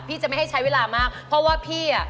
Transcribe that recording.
จะไม่ให้ใช้เวลามากเพราะว่าพี่อ่ะ